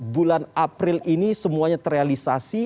bulan april ini semuanya terrealisasi